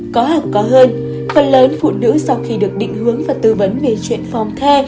có hẳng có hơn phần lớn phụ nữ sau khi được định hướng và tư vấn về chuyện phòng the